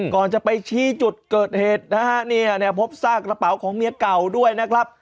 ก่อนจะไปชี้จุดเกิดเหตุนะฮะเนี่ยพบซากกระเป๋าของเมียเก่าด้วยนะครับ